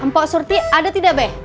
mpok surti ada tidak be